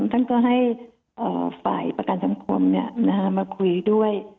ท่านก็ให้เอ่อฝ่ายประกันสังคมเนี่ยนะฮะมาคุยด้วย